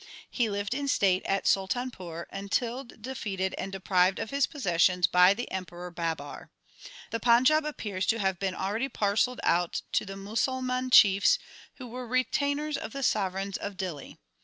He lived in state at Sultanpur till defeated and deprived of his possessions by the Emperor Babar. The Panjab appears to have been already parcelled out to Musalman chiefs who were retainers of the sovereigns of Dihli.